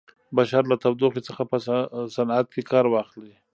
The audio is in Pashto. بشر له تودوخې څخه په صنعت کې کار واخلي.